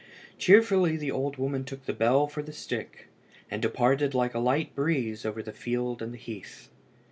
Cheerfully the old woman took the bell for the stick, and departed like a light breeze over the field and the heath.